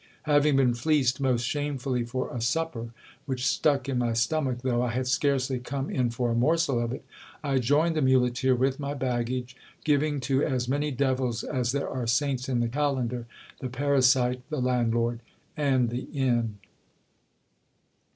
Having been fleeced most shamefully for a supper, which stuck in my stomach though I had scarcely come in for a morsel of it, I joined the muleteer with my baggage, giving to as many devils as there are saints in the calendar, the parasite, the landlord, and the inn.